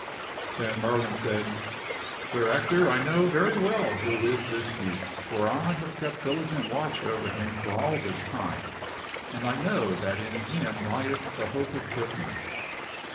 Then Merlin said, " Sir Ector, I know very well who is this youth, for I have kept diligent watch over him for all this time. And I know that in him lieth the hope of Britain.